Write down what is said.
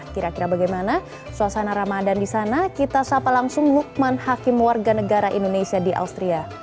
kira kira bagaimana suasana ramadan di sana kita sapa langsung lukman hakim warga negara indonesia di austria